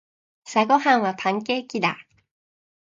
朝ごはんはパンケーキだ。